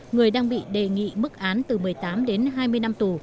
người đang bị đề nghị mức án từ một mươi tám đến hai mươi năm tù